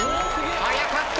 早かった。